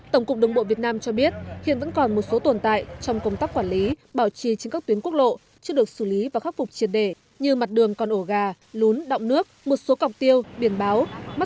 tổng cục đồng bộ việt nam cho biết hiện vẫn còn một số tồn tại trong công tác quản lý bảo trì trên các tuyến quốc lộ chưa được xử lý và khắc phục triệt để như mặt đường còn ổ gà lún đọng nước một số cọc tiêu biển báo